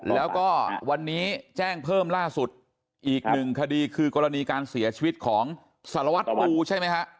แล้วก็วันนี้แจ้งเพิ่มล่าสุดอีกหนึ่งคดีคือกรณีการเสียชีวิตของสารวัตรปูใช่ไหมฮะ